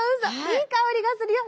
いい香りがするよ。